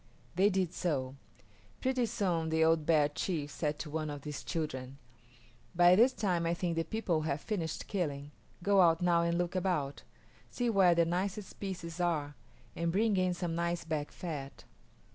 They did so. Pretty soon the old bear chief said to one of his children, "By this time I think the people have finished killing. Go out now and look about; see where the nicest pieces are, and bring in some nice back fat."